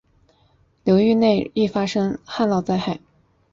流域内易发生旱涝灾害。